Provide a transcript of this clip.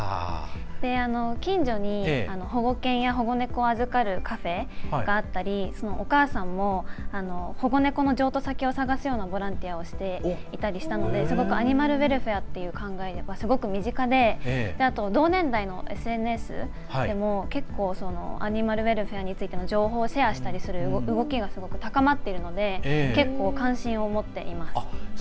近所に保護犬や保護猫を預かるカフェがあったりお母さんも、保護猫の譲渡先を探すようなボランティアをしていたりしたのでアニマルウェルフェアという考えはすごく身近で同年代のＳＮＳでも結構アニマルウェルフェアについての情報をシェアしたりする動きが高まっているので結構、関心を持っています。